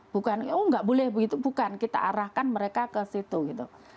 bukan oh nggak boleh begitu bukan kita arahkan mereka ke situ gitu